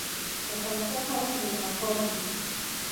د افغانستان خلک میلمه پال دي